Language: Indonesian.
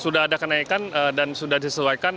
sudah ada kenaikan dan sudah disesuaikan